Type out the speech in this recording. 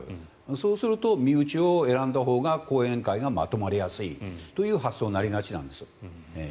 そうすると、身内を選んだほうが後援会がまとまりやすいという発想になりがちなんですよ。